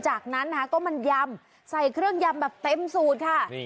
จากนั้นนะคะก็มันยำใส่เครื่องยำแบบเต็มสูตรค่ะ